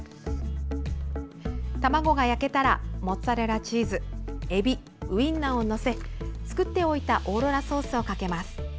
卵が焼けたらモッツァレラチーズえび、ウインナーを載せ作っておいたオーロラソースをかけます。